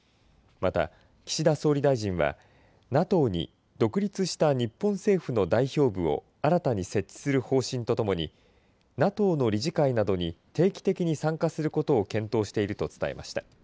また、岸田総理大臣はＮＡＴＯに独立した日本政府の代表部を新たに設置する方針とともにＮＡＴＯの理事会などに定期的に参加することを検討していると伝えました。